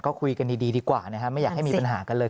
ก็คุยกันดีดีกว่านะครับไม่อยากให้มีปัญหากันเลย